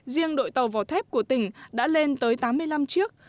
riêng đội tàu vỏ thép của tỉnh đã lên tới tám mươi năm chiếc